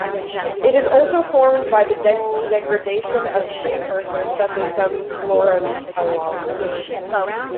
It is also formed by the degradation of precursors such as some fluorotelomers.